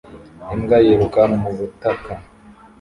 Imbwa yiruka mu butaka